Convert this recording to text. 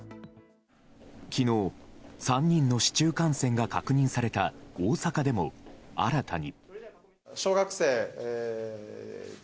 昨日、３人の市中感染が確認された大阪でも新たに。